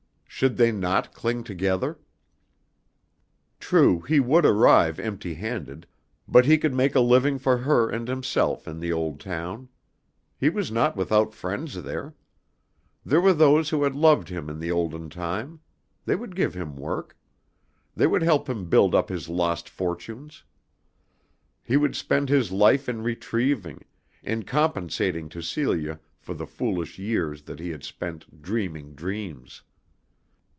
Should they not cling together? True, he would arrive empty handed, but he could make a living for her and himself in the old town. He was not without friends there. There were those who had loved him in the olden time. They would give him work. They would help him build up his lost fortunes. He would spend his life in retrieving, in compensating to Celia for the foolish years that he had spent dreaming dreams.